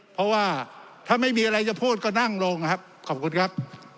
เพราะว่าถ้าไม่มีอะไรจะพูดก็นั่งลงนะครับขอบคุณครับ